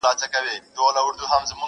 کډه ستا له کلي بارومه نور .